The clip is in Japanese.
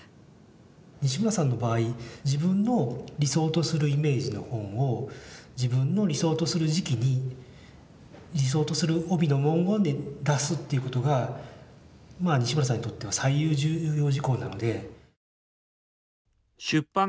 西村さんの場合自分の理想とするイメージの本を自分の理想とする時期に理想とする帯の文言で出すっていうことがまあ西村さんにとっては最重要事項なので。